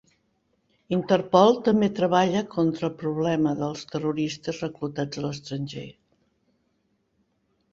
Interpol també treballa contra el problema dels terroristes reclutats a l'estranger.